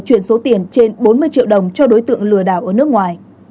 chuyển số tiền trên bốn mươi triệu đồng cho đối tượng lừa đảo ở nước ngoài